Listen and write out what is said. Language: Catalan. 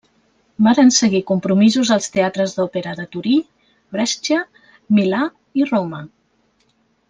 Varen seguir compromisos als teatres d'òpera de Torí, Brescia, Milà i Roma.